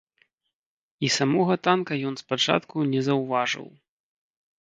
І самога танка ён спачатку не заўважыў.